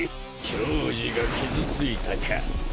矜持が傷ついたか？